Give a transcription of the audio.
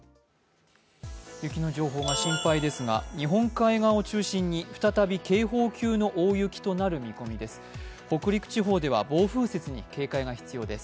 雪の情報が心配ですが日本海側を中心に再び警報級の大雪となる見込みです。